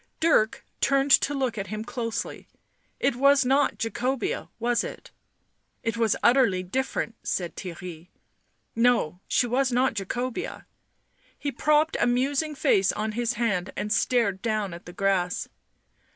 Dirk turned to look at him closely. " It was not Jacobea, was it?" " It was utterly different," said Theirry. " No, she was not Jacobea." He propped a musing face on his band and stared down at the grass.